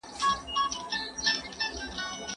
طب او څېړنه کله کله یو له بل سره مرسته کوي.